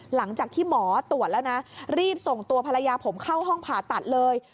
หลังจากที่หมอตรวจแล้วนะรีบส่งตัวภรรยาผมเข้าห้องผ่าตัดเลย